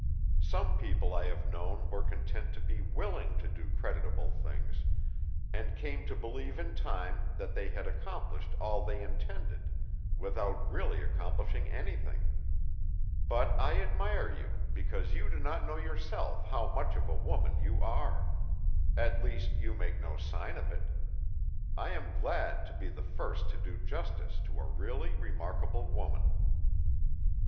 Some people I have known were content to be willing to do creditable things, and came to believe in time that they had accomplished all they intended, without really accomplishing anything; but I admire you because you do not know yourself how much of a woman you are; at least you make no sign of it. I am glad to be the first to do justice to a really remarkable woman."